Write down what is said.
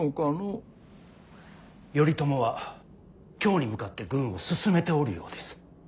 頼朝は京に向かって軍を進めておるようです。